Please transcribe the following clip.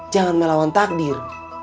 jangan melawan takdir